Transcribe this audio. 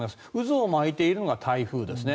渦を巻いているのが台風ですね。